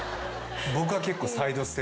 僕は結構。